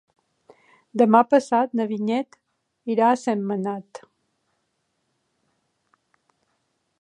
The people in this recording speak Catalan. Demà passat na Vinyet irà a Sentmenat.